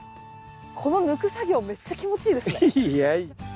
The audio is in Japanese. この抜く作業めっちゃ気持ちいいですね。